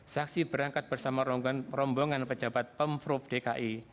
saksi berangkat bersama rombongan pejabat pemprov dki